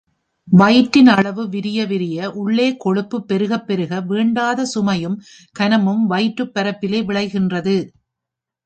வயிற்றின் அளவு விரிய விரிய, உள்ளே கொழுப்பு பெருகப் பெருக, வேண்டாத சுமையும் கனமும் வயிற்றுப் பரப்பிலே விளைகின்றது.